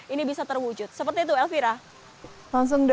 ini bisa terwujud seperti itu elvira